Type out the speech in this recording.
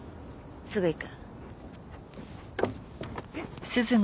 すぐ行く。